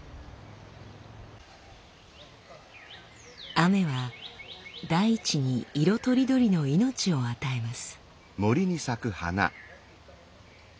雨は大地に色とりどりの命を与えます。